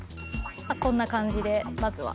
こんな感じでまずは。